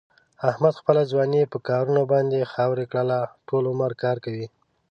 احمد خپله ځواني په کارونو باندې خاورې کړله. ټول عمر کار کوي.